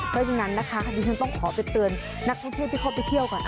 เพราะฉะนั้นนะคะดิฉันต้องขอไปเตือนนักท่องเที่ยวที่เขาไปเที่ยวก่อน